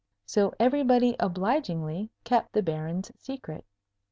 So everybody obligingly kept the Baron's secret.